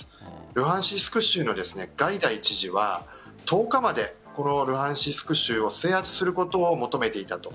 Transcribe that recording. ルハンスク州のガイダイ知事は１０日までルハンスク州を制圧することを求めていたと。